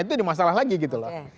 itu dimasalah lagi gitu loh